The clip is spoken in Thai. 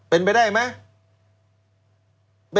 เป็นไปได้ไหม